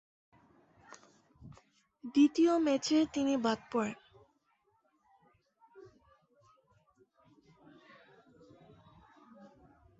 দ্বিতীয় ম্যাচে তিনি বাদ পড়েন।